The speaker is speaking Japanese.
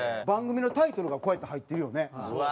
番組のタイトルがこうやって入ってるよね。